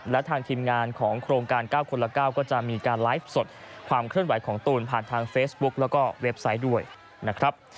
และทางทีมงานของโครงการ๙คนละ๙ก็จะมีการไลฟ์สดความเคลื่อนไหวของตูนผ่านทางเฟซบุ๊กแล้วก็เว็บไซต์ด้วยนะครับ